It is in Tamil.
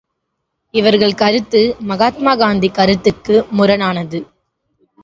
இவர்கள் கருத்து மகாத்மா காந்தி கருத்துக்கு முரணானது.